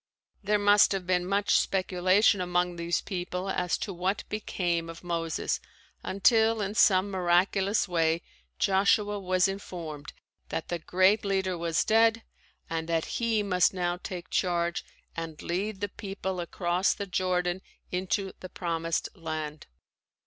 There must have been much speculation among these people as to what became of Moses until in some miraculous way Joshua was informed that the great leader was dead and that he must now take charge and lead the people across the Jordan into the Promised Land.